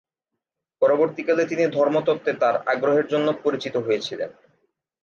পরবর্তীকালে তিনি ধর্মতত্ত্বে তার আগ্রহের জন্য পরিচিত হয়েছিলেন।